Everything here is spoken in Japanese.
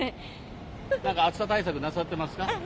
なんか暑さ対策なさってますか。